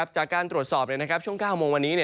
จากการตรวจสอบช่วง๙โมงวันนี้